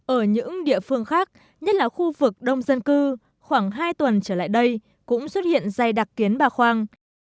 ở những địa phương khác nhất là khu vực đông dân cư khoảng hai tuần trở lại đây cũng xuất hiện dây đặc kiến bà khoang